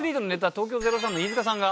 東京０３の飯塚さんが。